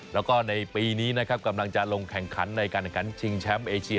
แล้วก็ในปีนี้นะครับกำลังจะลงแข่งขันในการแข่งขันชิงแชมป์เอเชีย